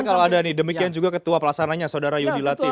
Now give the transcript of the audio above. tapi kalau ada nih demikian juga ketua pelaksananya saudara yudi latif